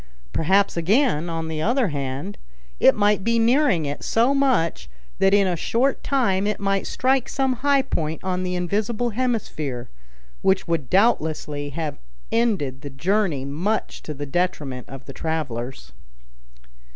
Perhaps, again, on the other hand, it might be nearing it so much that in a short time it might strike some high point on the invisible hemisphere, which would doubtlessly have ended the journey much to the detriment of the travelers.